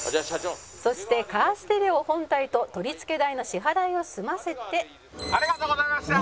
「そしてカーステレオ本体と取り付け代の支払いを済ませて」ありがとうございました！